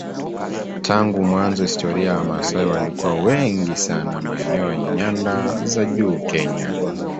Tangu mwanzo historia ya wamasai walikuwa wengi sana maeneo ya nyanda za juu Kenya